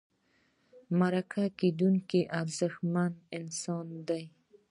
مرکه کېدونکی ارزښتمن انسان دی.